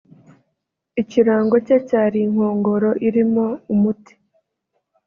Ikirango cye cyari inkongoro irimo umuti